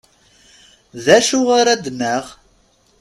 D acu ara ad d-naɣ?